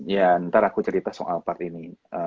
ya ntar aku cerita soal part ini